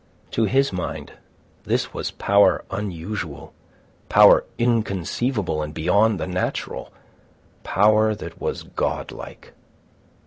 To his mind this was power unusual, power inconceivable and beyond the natural, power that was godlike.